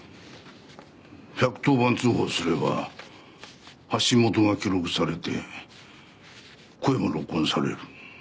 １１０番通報すれば発信元が記録されて声も録音される。